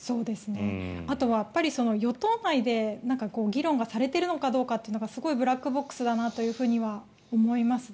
あとは与党内で議論がされているのかどうかっていうのがすごいブラックボックスだなとは思いますね。